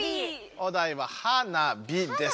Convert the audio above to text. お題は「はなび」です。